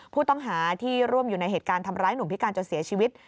ผู้ต้องหาที่ร่วมอยู่ในเหตุการณ์ทำร้ายหนุ่มพิการจนเสียชีวิต